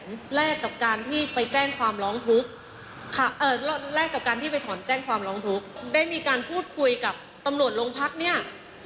ไม่ได้ไปถอนแจ้งความร้องทุกได้มีการพูดคุยกับตำรวจโรงพักษณ์เนี่ย